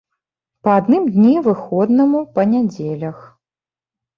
Па адным дні выходнаму па нядзелях.